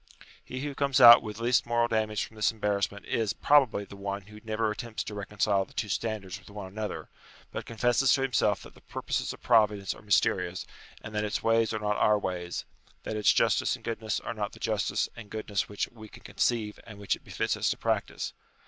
He who comes out with least moral damage from this embarrassment, is probably the one who never attempts to reconcile the two standards with one another, but confesses to himself that the purposes of Providence are myste rious, that its ways are not our ways, that its justice and goodness are not the justice and goodness which we can conceive and which it befits us to practise.